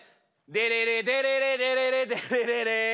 デレレデレレデレレデレレレ。